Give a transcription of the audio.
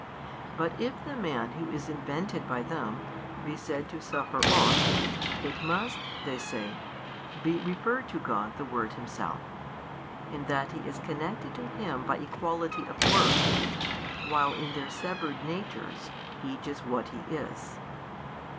But if the man who is invented by them be said to suffer ought, it must (they say) be referred to God the Word Himself, in that he is connected to Him by equality of worth, while in their severed natures each is what he is.